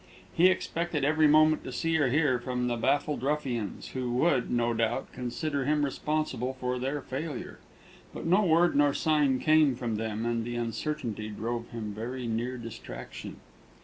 He expected every moment to see or hear from the baffled ruffians, who would, no doubt, consider him responsible for their failure; but no word nor sign came from them, and the uncertainty drove him very near distraction.